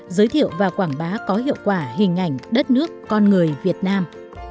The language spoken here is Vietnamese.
giới thiệu và quảng bá có hiệu quả hình ảnh đất nước con người việt nam